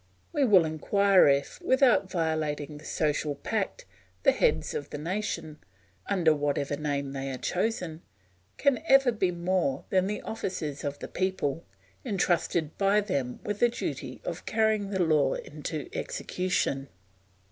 We will inquire if, without violating the social pact, the heads of the nation, under whatever name they are chosen, can ever be more than the officers of the people, entrusted by them with the duty of carrying the law into execution.